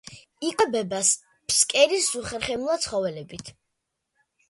იკვებება ფსკერის უხერხემლო ცხოველებით.